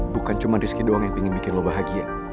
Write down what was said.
bukan cuma rizky doang yang ingin bikin lo bahagia